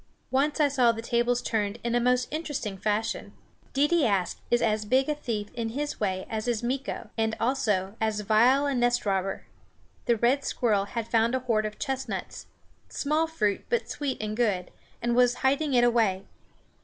Once I saw the tables turned in a most interesting fashion. Deedeeaskh is as big a thief in his way as is Meeko, and also as vile a nest robber. The red squirrel had found a hoard of chestnuts small fruit, but sweet and good and was hiding it away.